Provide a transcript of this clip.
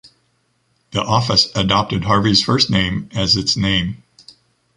The office adopted Harvey’s first name as its name.